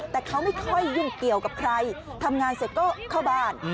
แต่เขาไม่ค่อยยุ่งเกี่ยวกับใครทำงานเสร็จก็เข้าบ้าน